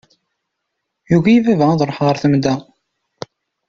Yugi-iyi baba ad ṛuḥeɣ ɣer temda.